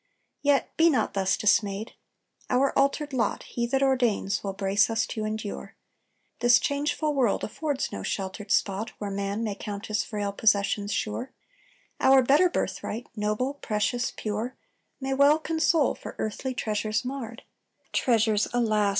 "Yet be not thus dismayed. Our altered lot He that ordains will brace us to endure. This changeful world affords no sheltered spot, Where man may count his frail possessions sure: Our better birthright, noble, precious, pure, May well console for earthly treasures marred, Treasures, alas!